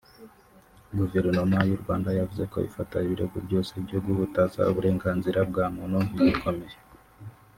Guverinoma y’ u Rwanda yavuze ko ifata ibirego byose byo guhutaza uburenganzira bwa muntu nk’ ibikomeye